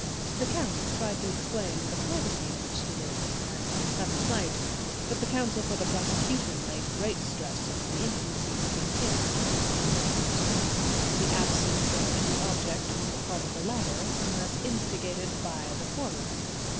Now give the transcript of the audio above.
The count tried to explain the privacy in which he lived, and his sudden flight. But the counsel for the prosecution laid great stress on the intimacy between him and the murderers; the absence of any object on the part of the latter, unless instigated by the former.